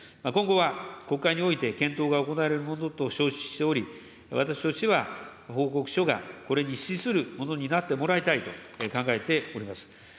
今後は国会において、検討が行われることと承知しており、私としては報告書がこれに資するものになってもらいたいと考えております。